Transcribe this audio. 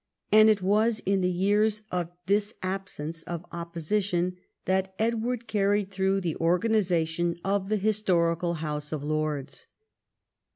And it was in the years of this absence of opposition that Edward carried through the organisation of the historical House of Lords.